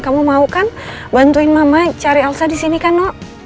kamu mau kan bantuin mama cari elsa disini kan noh